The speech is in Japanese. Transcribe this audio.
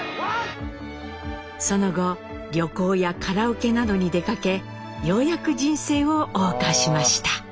その後旅行やカラオケなどに出かけようやく人生を謳歌しました。